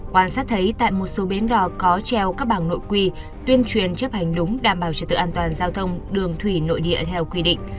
quan sát thấy tại một số bến đò có treo các bảng nội quy tuyên truyền chấp hành đúng đảm bảo trật tự an toàn giao thông đường thủy nội địa theo quy định